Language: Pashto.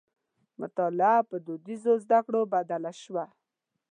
مطالعه په دودیزو زدکړو بدله شوه.